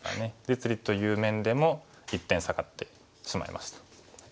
実利という面でも１点下がってしまいました。